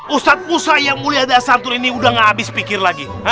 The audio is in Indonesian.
ustadz musa yang mulia dari santun ini udah gak habis pikir lagi